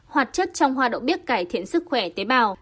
hoạt chất trong hoa đậu bếp cải thiện sức khỏe tế bào